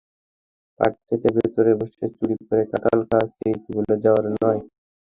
পাটখেতের ভেতরে বসে চুরি করে কাঁঠাল খাওয়ার স্মৃতি ভুলে যাওয়ার নয়।